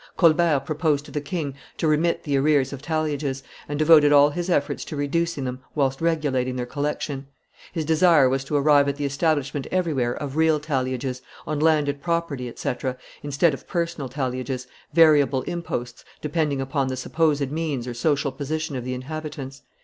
Colbert proposed to the king to remit the arrears of talliages, and devoted all his efforts to reducing them, whilst regulating their collection. His desire was to arrive at the establishment everywhere of real talliages, on landed property, &c., instead of personal talliages, variable imposts, depending upon the supposed means or social position of the inhabitants.